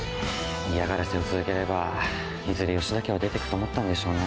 嫌がらせを続ければいずれ吉田家は出てくと思ったんでしょうね。